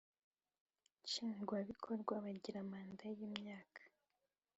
Nshingwabikorwa bagira manda y,imyaka